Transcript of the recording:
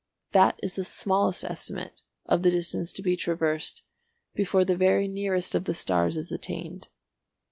That is the smallest estimate of the distance to be traversed before the very nearest of the stars is attained.